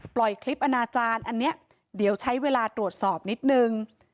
ปล่อยคลิปอนาจารย์อันนี้เดี๋ยวใช้เวลาตรวจสอบนิดนึง